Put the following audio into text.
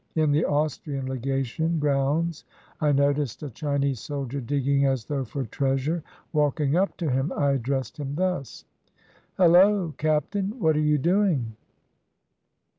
In the Austrian Legation grounds I noticed a Chinese soldier digging as though for treasure. Walking up to him I addressed him thus: — "Hello! Captain. What are you doing?